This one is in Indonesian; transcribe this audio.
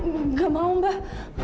nggak mau mbak